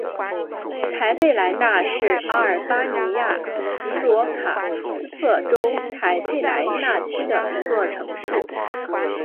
台佩莱纳是阿尔巴尼亚吉罗卡斯特州台佩莱纳区的一座城市。